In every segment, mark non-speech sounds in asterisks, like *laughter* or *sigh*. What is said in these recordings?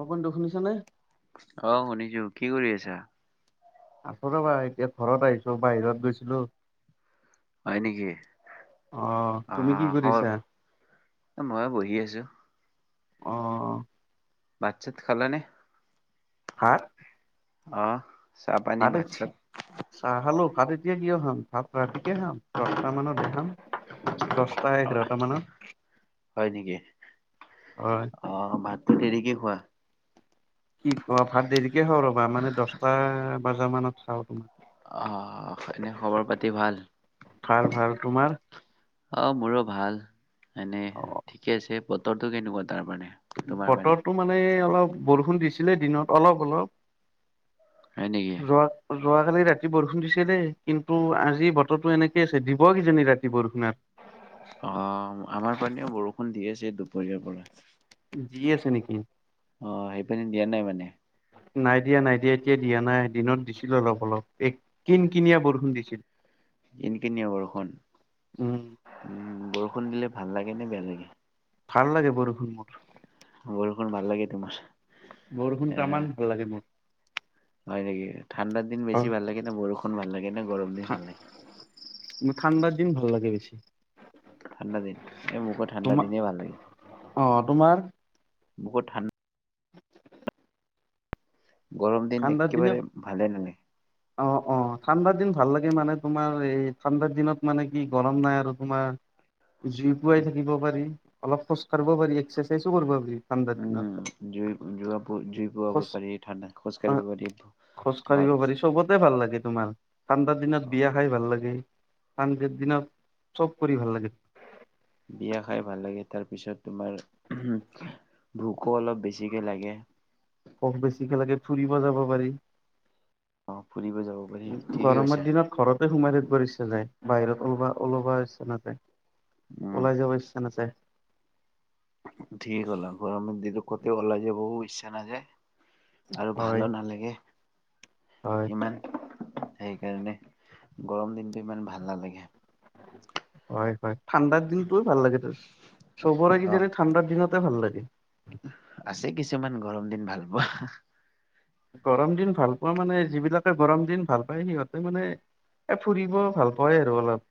অপন্ত শুনিছ নে? অ শুনিছো কি কৰি আছা? আছো ৰবা, এতিয়া, ঘৰত আহিছো বাহিৰত গৈছিলো। হয় নেকি? অ তুমি কি আহ, কৰিছা? *unintelligible* মই বহি আছো। অ'। ভাত চাত খালা নে? হা? অহ। *unintelligible* চাহ খালোঁ। ভাত এতিয়া কিয় খাম, ভাত ৰাতিকে খাম। দহটা মানত দে খাম, দচ *unintelligible* আহ, এঘাৰটা মানত। হয় নেকি হয়। অ ভাতটো দেৰিকে খোৱা। কি অ', ভাত দেৰিকে খাওঁ ৰ'বা, মানে দচটা বজা মানত খাওঁ তোমাৰ। আহ, এনে খবৰ পাতি ভাল? ভাল ভাল তোমাৰ? অ', মোৰো ভাল। এনে অ ঠিকে আছে। বতৰটো কেনেকুৱা তাৰ মানে? বতৰটো মানে অলপ বৰষুণ দিছে দিনত অলপ অলপ হয় নেকি? যোৱা কালি ৰাতি বৰষুণ দিছে দেই, কিন্তু আজি বতৰটো এনেকে আছে দিব কিজানি ৰাতি বৰষুণ আত অ আমাৰ পানেও বৰষুণ দিয়ে আছে দো *unintelligible* দি আছে নেকি? অ সেপেনে দিয়া নাই মানে। নাই দিয়া নাই দিয়া এতিয়া দিয়া নাই দিনত দিছিলো অলপ অলপ এক কিন কিনিয়া বৰষুণ দিছিল। কিন কিনিয়া বৰষুণ উম উ বৰষু ষুণ দিলে ভাল লাগে নে বেয়া লাগে? ভাল লাগে বৰষুণ মোৰ। বৰষুণ ভাল লাগে তোমাৰ। বৰষুণ এ তামান ভাল লাগে মোৰ। হয় নেকি ঠাণ্ডা দিন বেছি ভাল লাগে নে বৰষুণ ভাল লাগে নে গৰম দিন ভাল লাগে? ঠাণ্ডাৰ দিন *unintelligible* ঠাণ্ডা দিন এই মোকো ঠাণ্ডা তোমাৰ দিনে ভাল লাগে। অ তোমাৰ মোক ঠাণ্ড গৰম দিন ঠাণ্ডাৰ দিনে একেবাৰে ভালে নালাই অ অ ঠাণ্ডাৰ দিন ভাল লাগে মানে তোমাৰ এই ঠাণ্ডাৰ দিনত মানে কি গৰম নাই আৰু তোমাৰ জুই পুৱাই থাকিব পাৰি। অলপ খোজাঢ়িব পাৰি এক্সাৰচাইজো কৰিব পাৰি। ঠাণ্ডাৰ দিনত উম, জুই জ জুই খোজ পোৱাৱ পাৰি এই ঠাণ্ডা খোজকাঢ়ি খোজ কঢ়িব পাৰি চবতে ভাল লাগে তোমাৰ। ঠাণ্ডা দিনত অ বিয়া খাই ভাল লাগে। দেই। ঠাণ্ডা দিনত। চব কৰি ভাল লাগে। বিয়া খাই ভাল লাগে, তাৰপিছত তোমাৰ ভোকো অলপ বেছিকে লাগে। ভোক বেছিকে লাগে ফুৰিব যাব পাৰি। অ ফুৰিব যাব পাৰি ঠিকেই গৰমৰ কৈছা দিনত ঘৰতে সোমাই থাকিবা ইচ্ছা যায়। বাহিৰত ওলবা ওলাবা ইচ্ছা নাযায়। উম ওলাই যাবা ইচ্ছা নাযায়। ঠিকেই ক'লা গৰমৰ দিনত ক'তো ওলাই যাবা ও ইচ্ছা নাযায়। আৰু হয় ভালো নালাগে। হয় ইমান, সেইকাৰণে গৰম দিনটো ইমান ভাল নালাগে। হয় হয়। ঠাণ্ডাৰ দিন টো ভাল লাগে, *unintelligible* চবৰেই অ', কিজানি ঠাণ্ডাৰ দিনত *unintelligible* ভাল লাগে। আছে কিছুমান গৰম দিন ভাল পোৱা। গৰম দিন ভাল পোৱা মানে যিবিলাকে গৰম দিন ভাল পায় সিহঁতে মানে এ ফুৰিব ভাল পায় আৰু অলপ।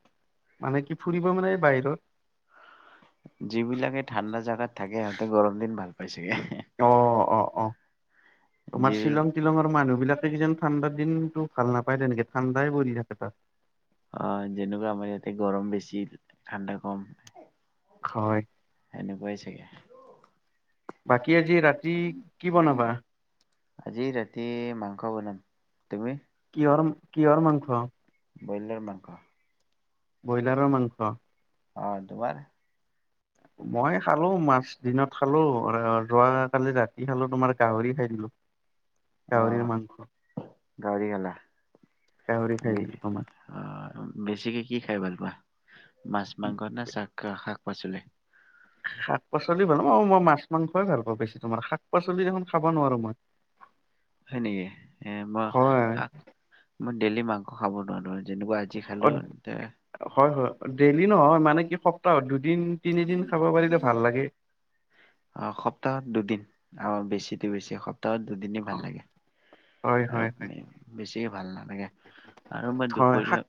মানে কি ফুৰিব মানে বাহিৰত যিবিলাকে ঠাণ্ডা জাগাত থাকে সিহঁতে গৰম দিন ভাল পাই চাগে। অ', অ', অ', তোমাৰ যিবোৰ শ্বিলং তিলঙৰ মানুহ বিলাকে কিজান ঠাণ্ডা দিন টো ভাল নাপায় তেনেকে ঠাণ্ডাই পৰি থাকে তাত। অ', যেনেকুৱা আমাৰ ইয়াতে গৰম বেছি, ঠাণ্ডা কম। হয়। এনেকুৱাই চাগে। বাকী আজি ৰাতি কি বনাবা? আজি ৰাতি মাংস বনাম, তুমি? কিহঁৰ, কিহঁৰ মাংস? ব্ৰইলাৰ মাংস। ব্ৰইলাৰৰ মাংস। অ', তোমাৰ? মই খালোঁ মাছ দিনত খালোঁ আৰু যোৱাকালি ৰাতি খালোঁ, তোমাৰ গাহৰি খাই দিলোঁ। অ', গাহৰি খালা, গাহৰি খাই বিছ দিলো তোমাৰ অহ, বেছিকে কি খাই ভাল পোৱা? মাছ-মাংস না চাক্ৰা শাক? পাচলি। শাক-পাচলি ভাল নাপাওঁ, মই মাছ মাংসই ভাল পাওঁ বেছি তোমাৰ শাক-পাচলি খাব নোৱাৰো মই। হয় নেকি, হয় *unintelligible* মন ডেইলি মাংস খাব নোৱাৰা নহয় যেনেকুৱা আজি অ খালো, তা হয় হয় ডেইলি নহয় মানে কি সপ্তাহত, দুদিন তিনিদিন খাব পাৰিলে ভাল লাগে। অ', সপ্তাহত দুদিন আৰু বেছিতে বেছি সপ *unintelligible* দুদিনে ভাল লাগে হয় আৰু হয় হয় এ বেছি এ, ভাল নালাগে। আৰু মই হয় দুপৰীয়া শাক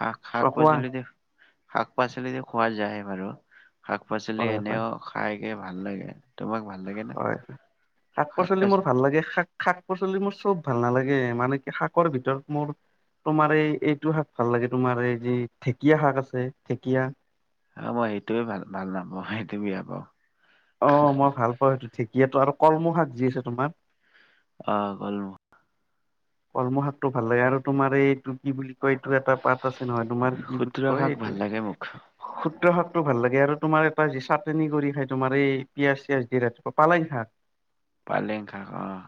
শাক-শাক কোৱা পাচলি দেখ শাক পাচলিৰে খোৱা যায় বাৰু। শাক পাচলি হয় হয় এনেওঁ খাই এ, ভাল লাগে। তোমাক ভাল লাগে না। হয় শাক পাচলি মোৰ ভাল লাগে, শাক- শাক শাক পাচলি মোৰ চব ভাল নালাগে মানে কি শাকৰ ভিতৰত মোৰ তোমাৰ এই এইটো শাক ভাল লাগে তোমাৰ এই যে ঢেকীয়া শাক আছে ঢেকীয়া। অঁ মই এইটোৱে ভাল-ভাল নাপাওঁ, সেইটো বেয়া পাওঁ। অঁ মই ভাল পাওঁ সেইটো ঢেঁকীয়াটো আৰু কলমৌ শাক যি আছে তোমাৰ অঁ কলমৌ। কলমৌ শাকটো ভাল লাগে আৰু তোমাৰ এইটো কি বুলি কয় এইটো এটা পাত আছে নহয় তোমাৰ কি বুলি খুতুৰা কয় শাক এইটো ভাল লাগে মোক শুটোৰা শাকটো ভাল লাগে আৰু তোমাৰ এটা যি চাটনি কৰি খাই তোমাৰ এই পিয়াজ চিয়াজ দি ৰাতিপুৱা পালেং শাক। পালেং শাক অঁ।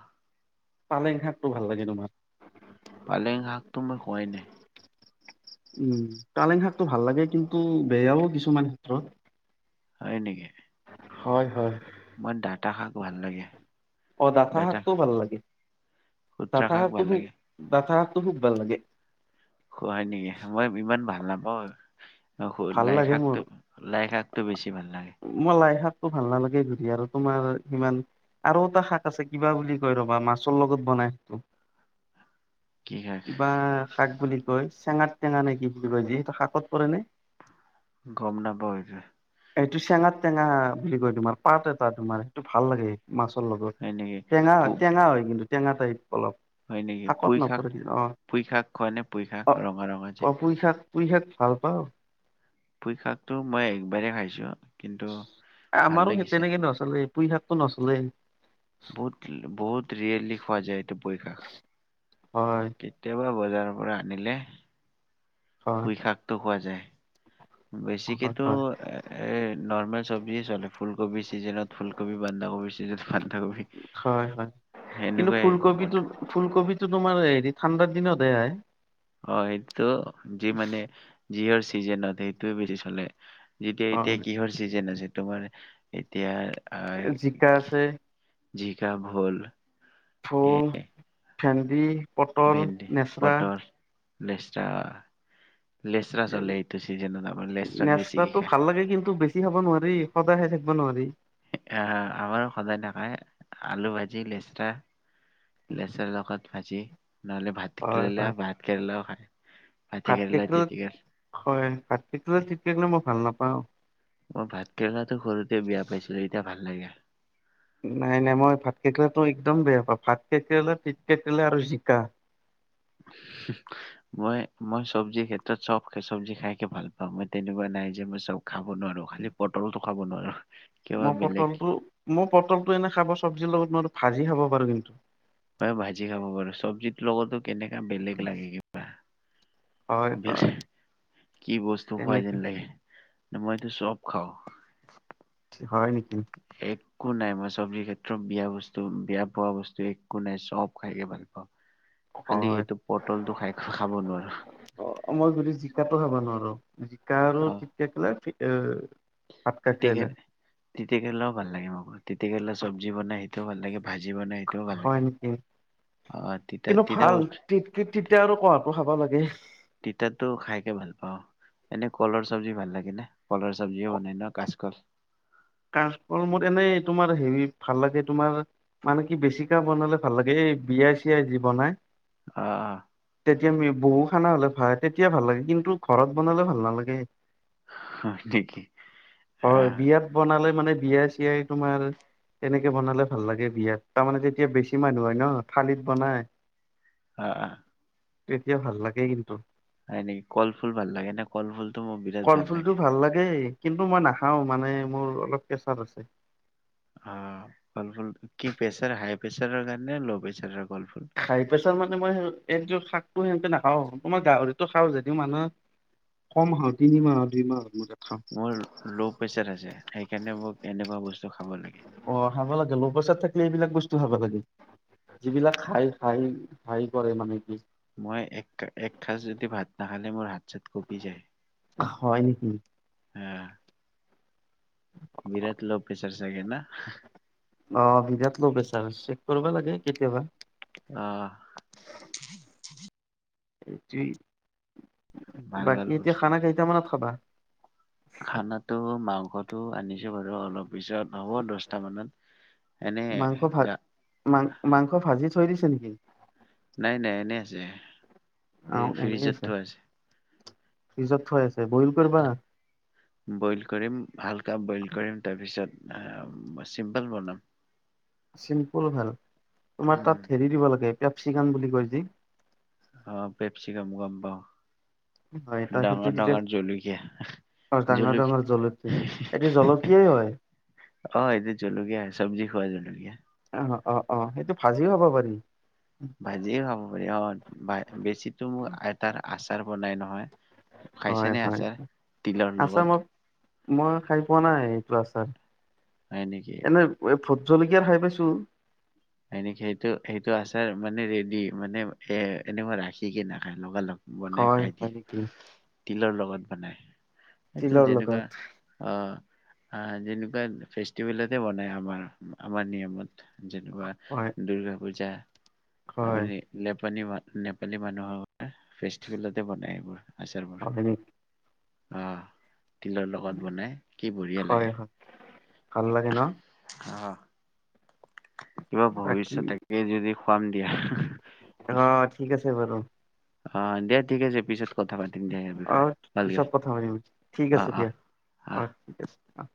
পালেং শাকটো ভাল লাগে তোমাৰ। পালেং শাকটো মই খোৱাই নাই। উম পালেং শাকটো ভাল লাগে কিন্তু বেয়াও কিছুমান ক্ষেত্ৰত। হয় নেকি। হয় -হয়। মই ডাঠা শাক ভাল লাগে। অ ডাঠা ডাটা শাকটোও ভাল লাগে। খুতুৰা ডাঠা শাক শাকটো ভাল খুব লাগে ডাঠা খুব ভাল লাগে। নাপাও আৰু। ভাল লাগে মোৰ লাইশাকটো- লাইশাকটো বেছি ভাল লাগে। টো ভাল নালাগে ধৰি আৰু তোমাৰ সিমান আৰু এটা শাক আছে কিবা বুলি কয় ৰ'বা মাছৰ লগত বনাই সেইটো। কি শাক কিবা শাক বুলি কয় চেঙাত টেঙা নে কি বুলি কয় যে এইটো শাকত পৰে নে। গম নাপাৱ এ যে। এইটো চেঙাত টেঙা বুলি কয় তোমাৰ পাত এটা তোমাৰ সেইটো ভাল লাগে। মাছৰ লগত হয় নেকি? পু টেঙা- টেঙা হয় কিন্তু টেঙা টাইপ। অলপ হয় নেকি শাকত পুই শাক নপৰে অ পুই শাক কয় নে পুই শাক ৰঙা- ৰঙা যে। পুইশাক ভাল পাওঁ। পুই শাকতো মই একবাৰেই খাইছো। কিন্তু এ ভাল আমাৰো সেই লাগিছে। তেনেকে নচলেই। পুই শাকটো নচলে। বহুত বহুত ৰিয়েৰলি খোৱা যায় এইটো পুই শাক হয় কেতিয়াবা বজাৰ ৰ পৰা আনিলে হয় বিষাক্ত পোৱা যায়। হয় বেছিকেতো হয় এ নৰ্মেল চবজি এ চলে ফুলকবি চিজনত ফুলকবি বন্ধাকবি চিজনত বানধাকবি, হয় হয় কিন্তু সেনেকুৱাই মোৰ। ঠাণ্ডা দিনতে। *unintelligible* অ', সেইটো যি মানে, যিহৰ *unintelligible* সেইটোৱে বেছি চলে। যেতিয়া অ এতিয়া কিহৰ চিজেন আছে। তোমাৰ এতিয়া আহ জিকা আছে। জিকা, ভুল। ফুল। ভেন্দি। পটল, ভেন্দি, নেচৰা। পটল লেচৰা। লেচৰা চলে এইটো চিজনত আমাৰ, লেচৰা বেছিকে খায়। খব নোৱাৰি সদায় খাই থাকিব নোৱাৰি। আহ আমাৰো সদায় নখায়, আলু ভাজি লেচৰা লেচেৰা লগত আজি নহ'লে হয় ভাতকেৰেলা হয় ভাতকেৰেলা খায়। ভাত কেৰেলা কেৰেল তেতিকা হয় ভাত কেৰেলা তিতা কেৰেলা মই ভাল নাপাওঁ। পাওঁ মই ভাতকেৰেলাটো সৰুতে বেয়া পাইছিলো এতিয়া ভাল লাগে। নাই নাই মই ভাত কেৰেলাটো একদম বেয়া পাওঁ। ভাত কেৰেলা, তিতা কেৰেলা আৰু জিকা মই মই চব্জি ক্ষেত্ৰত চব চব্জি খাইকে ভাল পাওঁ। মই তেনেকুৱা নাই যে মই চব খাব নোৱাৰো খালি পটলতটো খাব নোৱাৰো। কিবা মই বেলেগ পটলটো মই পটলটো এনে খাব চব্জিৰ লগত নোৱাৰো। ভাজি খাব পাৰো কিন্তু। ময়ো ভাজি খাব পাৰো। চব্জিতোৰ লগতো কেনেকা বেলেগ লাগে কিবা। হয় হয় কি বস্তু খোৱাই তেনেকে যেন লাগে? ই মইতো চব খাওঁ। হয় নেকি? এক কো নাই, মই চব্জিৰ ক্ষেত্ৰত বেয়া বস্তু বেয়া পোৱা বস্তু একো নাই চব খাইকে ভাল পাওঁ। খালি হয় এইটো পটলটো খাই খাব নোৱাৰো। অ' মই যদি জিকাটো খাবা নোৱাৰো জিকা আৰু তিতা কেৰেলা *unintelligible* তিতি কে, তিতি কেৰেলাওঁ ভাল লাগে মোক *unintelligible* কেৰেলা চবজি বনাই, সেইটোও ভাল লাগে। ভাজি বনাই সেইটোও ভাল হয় লাগে নেকি। অ তিতা কিন্তু তিতা ভাল, বস্তু তি-তিতা আৰু কৱাটো খাব লাগে *unintelligible* তিতাতো খাইকে ভাল পাওঁ। এনেই কলৰ চব্জি ভাল লাগে নে? কলৰ চব্জিও বনাই ন কাচকল। কাচকল মোৰ এনেই তোমাৰ হেৰি ভাল লাগে তোমাৰ, মানে কি বেছিকে বনালে ভাল লাগে। এই বিয়াই চিয়াই যি বনাই আহ। যেতিয়া আমি বহু খানা হলে ভাই তেতিয়া ভাল লাগে কিন্তু ঘৰত বনালে ভাল নালাগে। নেকি, হয় আহ। বিয়াত মানে বিয়া চিয়াই তোমাৰ, তেনেকে বনালে ভাল লাগে বিয়াত তাৰমানে তেতিয়া বেছি মানুহ হয় ন থালিত বনাই। আহ। তেতিয়া ভাল লাগে কিন্তু। হয় নেকি, কল ফুল ভাল লাগে ন কল ফুলটো মোৰ বিৰাট ভাল লাগে। কিন্তু মই নাখাওঁ মানে মোৰ অলপ পেচাৰ আছে। অ' কলফুল কি প্ৰেছাৰ হাই প্ৰেছাৰৰ কাৰণে নে ল' প্ৰেছাৰ? হাই প্ৰেছাৰ মানে মই এইটো শাকটো সেনকে না খাওঁ ত মই গাহৰিতটো খাওঁ যদিও মানুহে, কম হও তিনিমাহ দুই মাহৰ ম মোৰ ল' প্ৰেচাৰ আছে সেইকাৰণে মোক এনেকুৱা বস্তু খাব লাগে। অ' খাব লাগে লৌ পেচাৰ থাকিলে এইবিলাক বস্তু খাব লাগে। যিবিলাক খাই খাই ঠাই কৰে মানে কি মই এসাঁচ যদি ভাত নাখালে মোৰ হাত চাত কঁপি যায়। হয় নেকি? আহ। বিৰাত ল' প্ৰেছাৰ চাগে ন? অ' বিৰাট ল' প্ৰেচাৰ, চেক কৰিব লাগে কেতিয়াবা। অ' সেইটোৱে। ভাল বাকী ভাল এতিয়া বস্তু খানা কেইটামানত খাবা? খানাটো মাংস টো আনিছো বাৰু, অলপ পিছত হ'ব দছটা মানত। এনে মাংস ভাত গা মাং মাংস ভাজি থৈ দিছে নেকি? নাই, নাই এনে আছে। এই অ' এনেই ফ্ৰিজথ থোৱা আছে। ফ্ৰিজত থোৱা আছে। বইল কৰিবা বইল কৰিম, হালকা বইল কৰিম, তাৰপিছত অ' চিম্পল বনাম। চিম্পুল ভাল। তোমাৰ উম, তাত হেৰি দিব লাগে কেপচিকাম বুলি কয় যি। অ পেপচিকম গম পাওঁ। হয় ত সেইটো ডাঙৰ- দিলে ডাঙৰ জলকীয়া, ডাঙৰ ডাঙৰ এইটো জলকীয়া জলকীয়াই হয় অ' এইটো জলকীয়া চব্জি খোৱা জলকীয়া। অ অ' অ', সেইটো ভাজিও হ'ব পাৰি। ভাজিয়ে খাব পাৰি অ'। বেছি মোক এটাৰ আচাৰ বনাই নহয় *inaudible* হয় হয়, আচাৰ তিলৰ আছা লগত মই- মই খাই পোৱা নাই এইটো আ হয়। হয় নেকি? এনে এই ফ জলকীয়াৰ খাই পাইছোঁ। এনেক সেইটো - সেইটো আচাৰ মানে ৰেডি মানে, এ' এনে মই ৰাখিকে নাখায় লগা লগে। খাই হয়ালকে *inaudible* তিলৰ লগত বনাই। সেইটো যেনেকুৱা লগত আহ। অ' যেনেকুৱা ফেষ্টিভেলতে বনাই আমাৰ- আমাৰ নিয়মত। যেনিবা হয় দূৰ্গা পূজা। হয় আবেলি লেব নেপালী নেপালী মানুহৰ ফেষ্টিভেলতে বনাই এইবোৰ। আছাৰ বোৰ হয় নেকি আহ। তিলৰ লগত বনাই কি বঢ়িয়া হয় লাগে হয় ভাল লাগে ন আহ। কিবা বাকী ভৱিষ্যত তাকেই যদি খুৱাম দিয়া। অ ঠিক আছে বাৰু অ দিয়া ঠিক আছে পিছত। কথা পাতিম দিয়া ইয়াৰ অ বিষয়ে ভালকে পিছত কথা পাতিম ঠিক অ আছে অ দিয়া অ ঠিক আছে আহ।